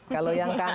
kalau yang kanan